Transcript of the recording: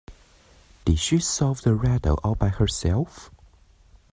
Did she solve the riddle all by herself?